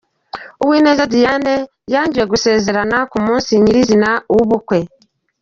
Uwineza Diane yangiwe gusezerana ku munsi nyir’izina w’ubukwe.